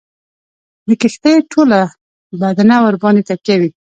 د کښتۍ ټوله بدنه ورباندي تکیه وي.